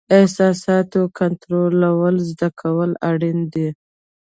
احساساتو کنټرول زده کول اړین دي.